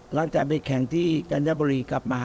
หลังจากปฏิแข่งที่กญญัตรอร์บุรีกลับมา